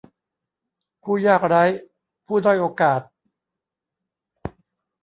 ผู้ยากไร้ ผู้ด้อยโอกาส